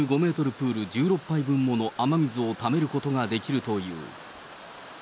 プール１６杯分もの雨水をためることができるという。